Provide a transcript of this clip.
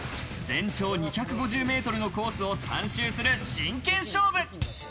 全長２５０メートルのコースを３周する真剣勝負。